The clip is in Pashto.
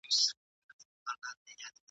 ګل سرخ ته تر مزاره چي رانه سې ..